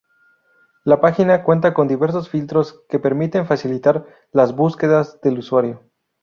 La página cuenta con diversos filtros que permiten facilitar las búsquedas del usuario.